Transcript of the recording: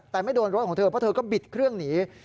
แต่ไม่โดนรถของเธอเพราะเธอก็บิดเครื่องหนี